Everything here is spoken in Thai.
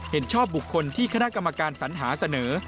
เห็นชอบบุคคลที่คณะกรรมการสัญหาเสนอ